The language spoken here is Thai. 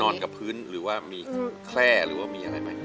กับพื้นหรือว่ามีแคล่หรือว่ามีอะไรไหม